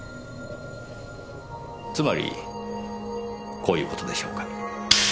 つまりこういう事でしょうか。